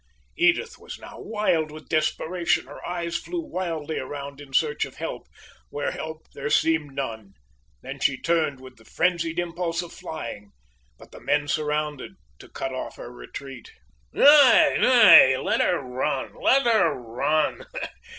Edith was now wild with desperation her eyes flew wildly around in search of help, where help there seemed none. Then she turned with the frenzied impulse of flying. But the men surrounded to cut off her retreat. "Nay, nay, let her run! Let her run!